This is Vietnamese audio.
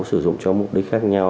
sử dụng cho mục đích khác nhau